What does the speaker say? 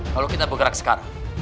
kalau kita bergerak sekarang